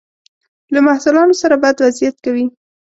له محصلانو سره بد وضعیت کوي.